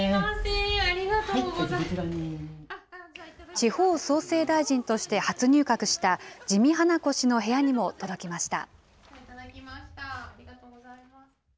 地方創生大臣として初入閣した自見英子氏の部屋にも届きました。